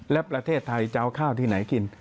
และประเทศไทยจะเอาข้าวที่ไหนกิน